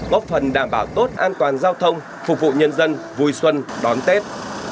góp phần đảm bảo tốt an toàn giao thông phục vụ nhân dân vui xuân đón tết